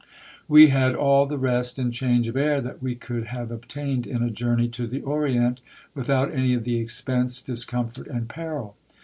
We had all the rest and change of air that we could have obtained in a journey to the Orient, without any of the expense, discomfort, and peril.